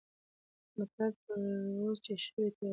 متل: تربور چي ښه وي د تره زوی دی؛